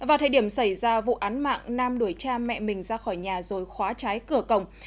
án mạng nam đuổi cha mẹ mình ra khỏi nhà rồi khóa trái cửa cổng